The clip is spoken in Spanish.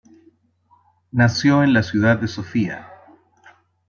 Nació en la ciudad de Sofía.